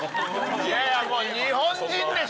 いやいや、もう日本人でしょ。